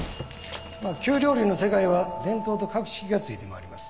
京料理の世界は伝統と格式がついて回ります。